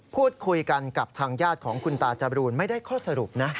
พูดคุยกันกับทางญาติของคุณตาจบรูนไม่ได้ข้อสรุปนะ